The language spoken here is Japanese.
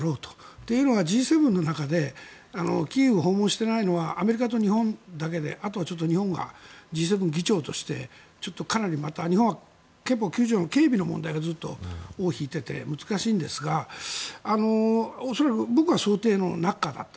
というのがＧ７の中でキーウを訪問していないのはアメリカと日本だけであとは日本がＧ７議長としてちょっとかなりまた日本は憲法９条の警備の問題がずっと尾を引いていて難しいんですが恐らく、僕は想定の中だったと。